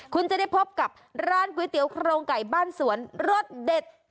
คุณจะได้พบกับร้านก๋วยเตี๋ยวโครงไก่บ้านสวนรสเด็ด